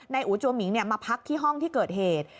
นายอู๋จัวมิงเนี่ยมาพักที่ห้องที่เกิดเหตุ